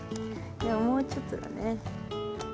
でももうちょっとだね。